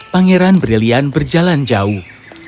pangeran brilian berjalan jauh